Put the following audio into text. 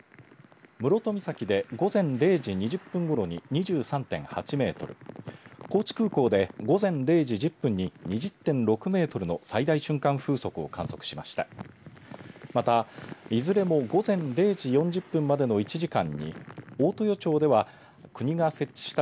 室戸岬で午前０時２０分ごろに２３．８メートル高知空港で午前０時１０分に２０．６メートルの最大瞬間風速を観測しました。